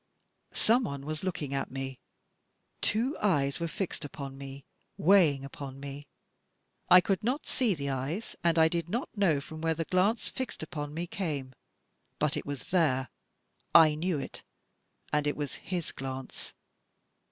Someone was looking at me. Two eyes were fixed upon me — ^weighing upon me. I could not see the eyes and I did not know from where the glance fixed upon me came, but it was there. I knew it — ^and it was his glance.